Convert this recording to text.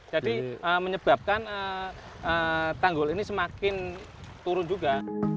jadi menyebabkan tanggul ini semakin turun juga